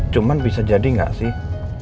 cuman bisa jadi gak sih